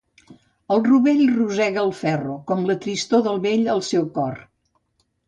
El rovell rosega el ferro, com la tristor del vell el seu cor.